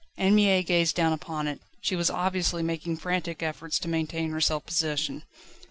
Anne Mie gazed down upon it. She was obviously making frantic efforts to maintain her self possession.